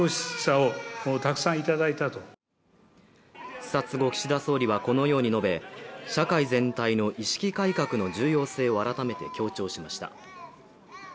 視察後、岸田総理はこのように述べ社会全体の意識改革の重要性を改めて強調しました。